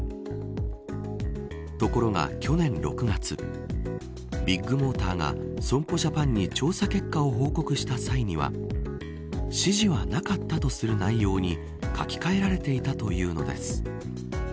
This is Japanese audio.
ところが、去年６月ビッグモーターが損保ジャパンに調査結果を報告した際には指示はなかったとする内容に書き換えられていたというのです。